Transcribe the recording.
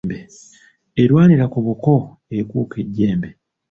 Erwanira ku buko, ekuuka ejjembe.